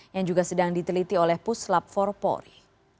yang juga sedang diteliti oleh puslap forpori